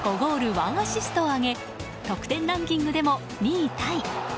１アシストを挙げ得点ランキングでも２位タイ。